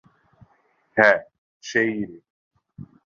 হ্যাঁ, সেই ইরিন।